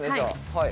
はい。